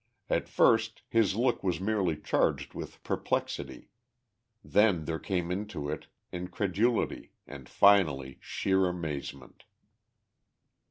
At first his look was merely charged with perplexity; then there came into it incredulity and finally sheer amazement.